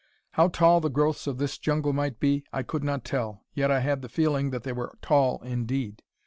How tall the growths of this jungle might be, I could not tell, yet I had the feeling that they were tall indeed.